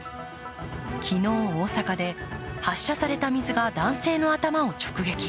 昨日、大阪で発射された水が男性の頭を直撃。